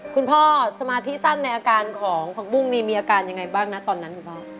คุณพ่อสมาธิสั้นในอาการของผักบุ้งนี่มีอาการยังไงบ้างนะตอนนั้นคุณพ่อ